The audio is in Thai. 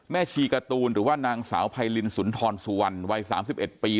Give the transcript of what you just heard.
ชีการ์ตูนหรือว่านางสาวไพรินสุนทรสุวรรณวัย๓๑ปี